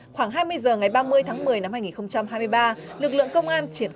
khoảng hai mươi h ngày ba mươi tháng một mươi năm hai nghìn hai mươi ba lực lượng công an triển